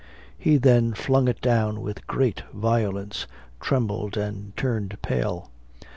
He then flung it down with great violence, trembled and turned pale.